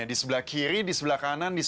ibu sama bapak itu pasti nungguin